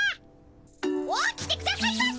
起きてくださいませ。